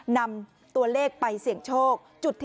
นำตัวเลขไปเสี่ยงโชค